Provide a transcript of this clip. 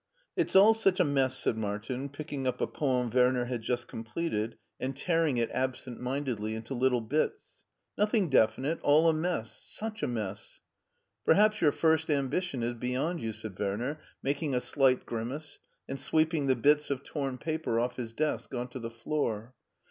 It's all such a mess," said Martin, picking up a poem Werner had just completed, and tearing it absent HEIDELBERG 59 mindedly into little bits. " Nothing definite, all a mess — such a mess." " Perhaps your first ambition is beyond you/* said Werner, making a slight grimace, and sweeping the bits of torn paper off his desk on to the floor.